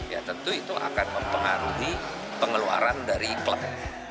ya tentu itu akan mempengaruhi pengeluaran dari klub